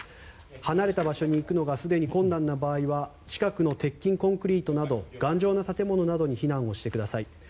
離れた場所に行くのがすでに困難な場合は近くの鉄筋コンクリートなど頑丈な建物などに避難をしてください。